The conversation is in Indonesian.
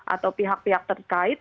atau pihak pihak terkait